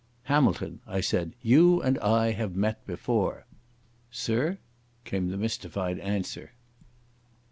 "Hamilton," I said, "you and I have met before." "Sirr?" came the mystified answer.